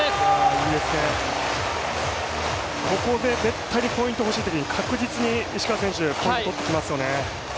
いいですね、ここでポイントがほしいときに確実に石川選手、ポイントとってきますよね。